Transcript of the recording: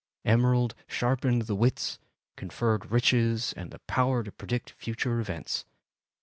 Emerald sharpened the wits, conferred riches and the power to predict future events.